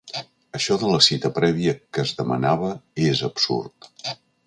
Això de la cita prèvia que es demanava és absurd.